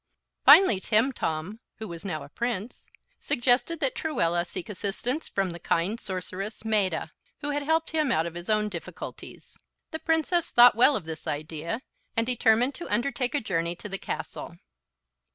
Finally Timtom, who was now a Prince, suggested that Truella seek assistance from the kind sorceress Maetta, who had helped him out of his own difficulties. The Princess thought well of this idea, and determined to undertake a journey to the castle.